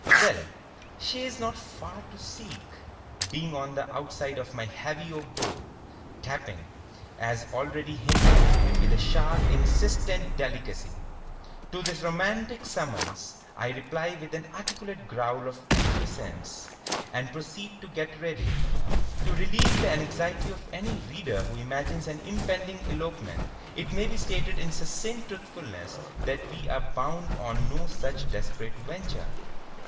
Well, she is not far to seek, being on the outside of my heavy oak door, tapping, as already hinted, with a sharp insistent delicacy. To this romantic summons I reply with an articulate growl of acquiescence, and proceed to get ready. To relieve the anxiety of any reader who imagines an impending elopement it may be stated in succinct truthfulness that we are bound on no such desperate venture.